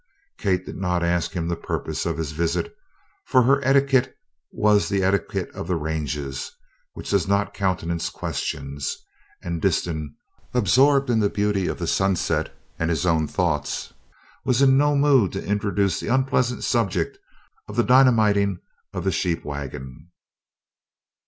Kate did not ask him the purpose of his visit, for her etiquette was the etiquette of the ranges, which does not countenance questions, and Disston, absorbed in the beauty of the sunset and his own thoughts, was in no mood to introduce the unpleasant subject of the dynamiting of the sheep wagon.